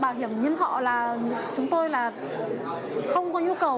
bảo hiểm nhân thọ là chúng tôi là không có nhu cầu